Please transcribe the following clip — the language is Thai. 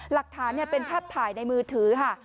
หลักฐานเป็นภาพถ่ายในมือถือค่ะ